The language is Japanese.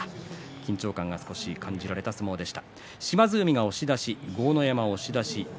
緊張感が感じられた相撲でした。